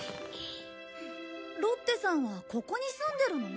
ロッテさんはここに住んでるの？